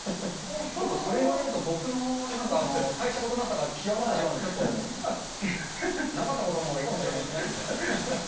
ちょっとそれ言われると、僕のなんか大したことなさが際立ってしまうんで、ちょっと、なかったことのほうがいいかもしれないですね。